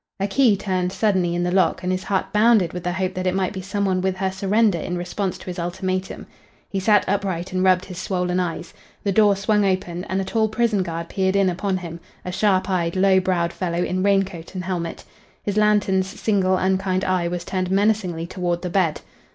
A key turned suddenly in the lock, and his heart bounded with the hope that it might be some one with her surrender in response to his ultimatum. He sat upright and rubbed his swollen eyes. The door swung open, and a tall prison guard peered in upon him, a sharpeyed, low browed fellow in rain coat and helmet. His lantern's single unkind eye was turned menacingly toward the bed.